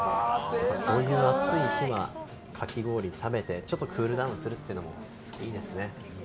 こういう暑い日は、かき氷を食べてちょっとクールダウンするっていうのがいいですね。